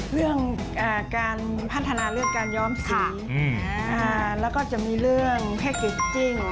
เรื่องการพัฒนาเรื่องการย้อมสีแล้วก็จะมีเรื่องแพ็กเกจจิ้ง